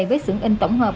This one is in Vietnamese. với sướng in tổng hợp